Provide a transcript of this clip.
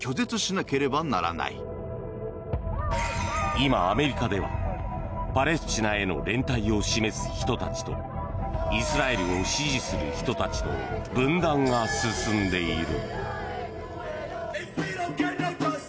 今、アメリカではパレスチナへの連帯を示す人たちとイスラエルを支持する人たちの分断が進んでいる。